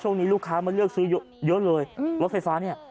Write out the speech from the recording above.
ลูกค้ามาเลือกซื้อเยอะเลยรถไฟฟ้าเนี่ย